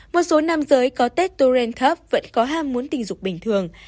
một số nam giới có testosterone thấp vẫn có ham muốn tình dục bình thường